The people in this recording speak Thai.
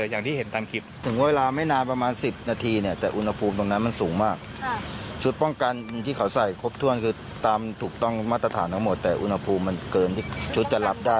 ยังบิดตายอยู่จนยังถึงตอนนี้ครับ